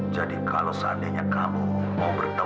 jadi kalau seandainya kamu mau berbicara